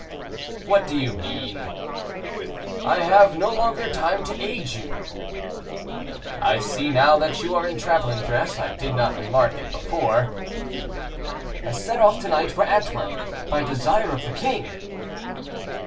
"What do you mean?" "I have no longer time to aid you." "I see now that you are in traveling dress; I did not remark it before." "I set off to night for Antwerp, by desire of the king."